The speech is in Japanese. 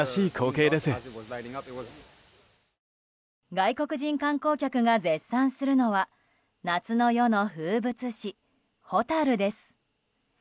外国人観光客が絶賛するのは夏の夜の風物詩、ホタルです。